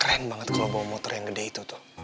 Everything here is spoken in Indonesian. keren banget kalau bawa motor yang gede itu tuh